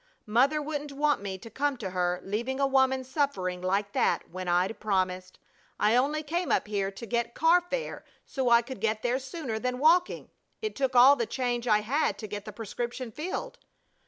Mother wouldn't want me to come to her, leaving a woman suffering like that when I'd promised. I only came up here to get car fare so I could get there sooner than walking. It took all the change I had to get the prescription filled."